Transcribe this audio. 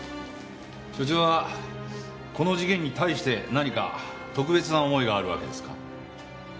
署長はこの事件に対して何か特別な思いがあるわけですか？